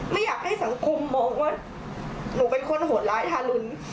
ไม่อยากให้สังคมมองว่าหนูเป็นคนโหดร้ายทารุณ